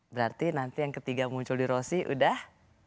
berarti nanti yang ketiga muncul di rosi udah